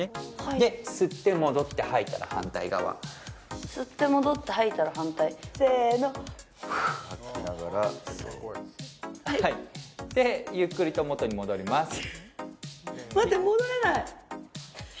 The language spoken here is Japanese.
で吸って戻って吐いたら反対側吸って戻って吐いたら反対せのふっでゆっくりと元に戻ります待って戻れない！